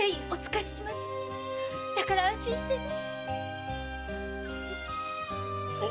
だから安心してね。